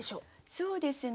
そうですね